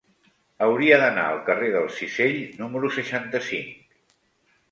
Hauria d'anar al carrer del Cisell número seixanta-cinc.